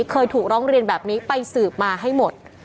เคยถูกร้องเรียนแบบนี้ไปสืบมาให้หมด